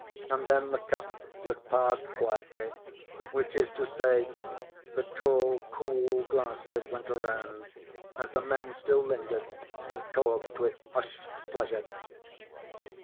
And then the cup was passed quietly, which is to say the tall cool glasses went around as the men still lingered and talked with hushed pleasure.